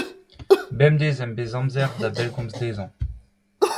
Bemdez em bez amzer da bellgomz dezhañ.